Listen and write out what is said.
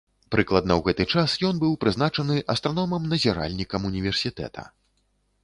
Прыкладна ў гэты час ён быў прызначаны астраномам-назіральнікам універсітэта.